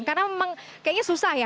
karena memang kayaknya susah ya